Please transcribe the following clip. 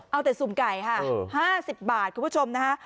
เอาแต่สุ่มไก่ค่ะ๕๐บาทคุณผู้ชมนะคะ